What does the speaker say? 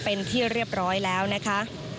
เป็นที่เรียบร้อยแล้วนะคะ